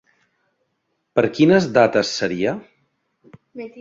Per quines dates seria?